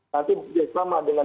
nanti bersama dengan